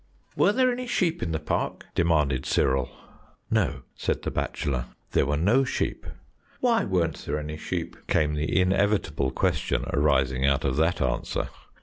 "Were there any sheep in the park?" demanded Cyril. "No;" said the bachelor, "there were no sheep." "Why weren't there any sheep?" came the inevitable question arising out of that answer.